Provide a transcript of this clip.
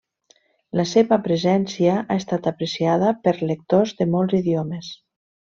La seva presència ha estat apreciada per lectors de molts idiomes.